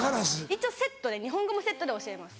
一応セットで日本語もセットで教えます。